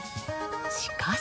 しかし。